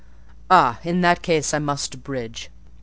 "Ah! in that case I must abridge.